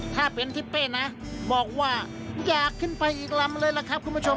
ถ้าเป็นทิศเป้นะบอกว่าอยากขึ้นไปอีกลำเลยล่ะครับคุณผู้ชม